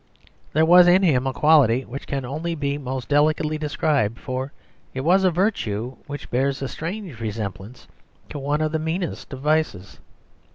There was in him a quality which can only be most delicately described; for it was a virtue which bears a strange resemblance to one of the meanest of vices.